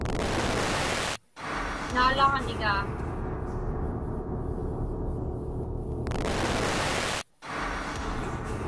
Naalaġnigaa.